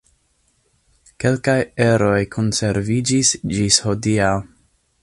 Kelkaj eroj konserviĝis ĝis hodiaŭ.